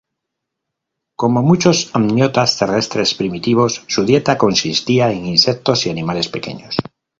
Como muchos amniotas terrestres primitivos, su dieta consistía en insectos y animales pequeños.